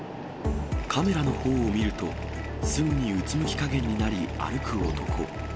カメラのほうを見ると、すぐにうつむきかげんになり、歩く男。